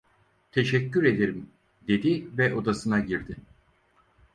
"Teşekkür ederim" dedi ve odasına girdi.